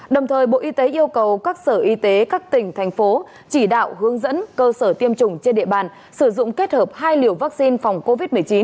đồng thời bộ y tế yêu cầu các sở y tế các tỉnh thành phố chỉ đạo hướng dẫn cơ sở tiêm chủng trên địa bàn sử dụng kết hợp hai liều vaccine phòng covid một mươi chín